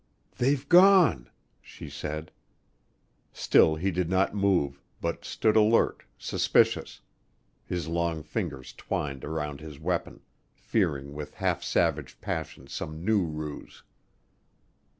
"They've gone," she said. Still he did not move, but stood alert, suspicious, his long fingers twined around his weapon, fearing with half savage passion some new ruse.